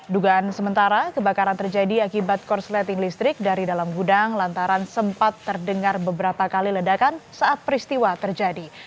dugaan sementara kebakaran terjadi akibat korsleting listrik dari dalam gudang lantaran sempat terdengar beberapa kali ledakan saat peristiwa terjadi